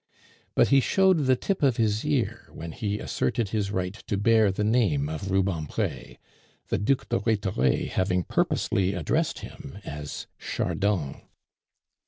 But he showed the tip of his ear when he asserted his right to bear the name of Rubempre, the Duc de Rhetore having purposely addressed him as Chardon.